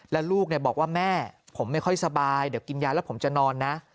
แล้วลูกบอกว่าแม่ผมไม่ค่อยสบายเดี๋ยวกินยาแล้วผมจะนอนนะ